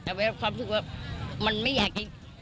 แต่เมื่อความสู้ว่ามันไม่อยาก